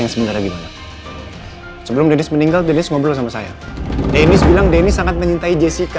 sebelum meninggal dengan ngobrol sama saya